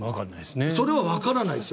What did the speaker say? それはわからないですよ